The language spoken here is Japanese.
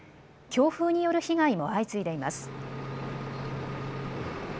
強風による被害も相次いでいます。